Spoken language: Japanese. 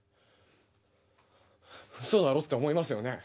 ウソだろって思いますよね